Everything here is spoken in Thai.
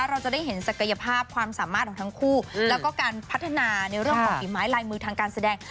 เราจะได้เห็นศักยภาพความสามารถของทั้งคู่แล้วก็การพัฒนาในเรื่องของฝีไม้ลายมือทางการแสดง